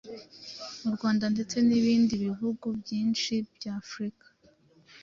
U Rwanda ndetse n’ibindi bihugu byinshi bya Afurika